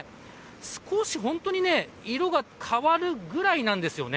少し色が変わるぐらいなんですよね。